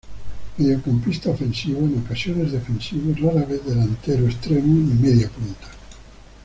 Mediocampista ofensivo, en ocasiones defensivo; rara vez delantero extremo y media punta.